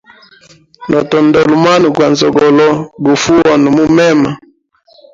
Notondola mwana gwa nzogolo gufa uhona mumema.